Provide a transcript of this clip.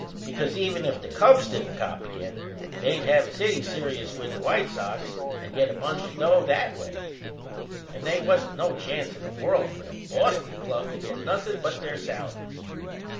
Because, even if the Cubs didn't cop again, they'd have a city serious with the White Sox and get a bunch o' dough that way. And they wasn't no chance in the world for the Boston Club to get nothin' but their salaries.